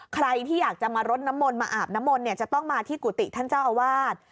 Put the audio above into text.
ใครที่อยากจะมารดน้ำมนต์มาอาบน้ำมนต์เนี่ยจะต้องมาที่กุฏิท่านเจ้าอาวาส